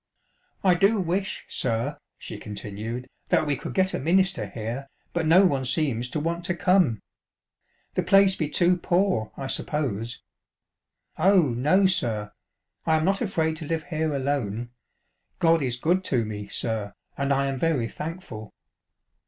" I do wish, sir," she continued, " that we could get a minister here, but no one seems to want to come. The place be too poor, I suppose. Oh, no, sir, I am not afraid to live here alone. God is good to me, sir, and I am very thankful."